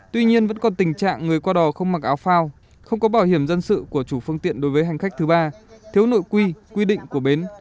tuy nhiên vẫn còn tình trạng người qua đò không mặc áo phao không có bảo hiểm dân sự của chủ phương tiện đối với hành khách thứ ba thiếu nội quy quy định của bến